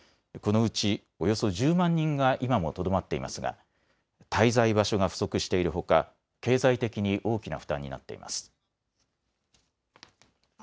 このうちおよそ１０万人が今もとどまっていますが滞在場所が不足しているほか経済的に大きな負担になっています。